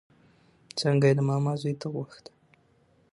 څانګه يې د ماما زوی ته غوښته